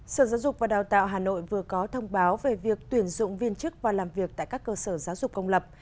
sở giáo dục và đào tạo hà nội vừa có thông báo về việc tuyển dụng viên chức và làm việc tại các cơ sở giáo dục công lập